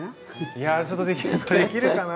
いやちょっとできるかな？